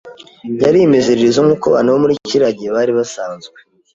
Yari imiziririzo, nkuko abantu bo muri kiriya gihe bari basanzwe.